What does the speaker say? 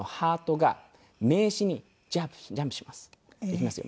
いきますよ。